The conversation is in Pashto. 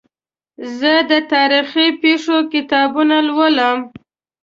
زه د تاریخي پېښو کتابونه لولم.